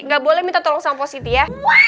gak boleh minta tolong sama positif ya